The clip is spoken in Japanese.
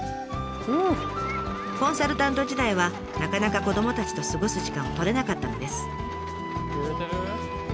コンサルタント時代はなかなか子どもたちと過ごす時間を取れなかったのです。